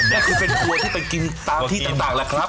นี่คือเป็นทัวร์ที่เป็นกินตามที่ต่างแล้วครับ